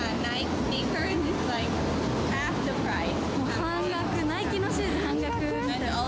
半額、ナイキのシューズ、半額。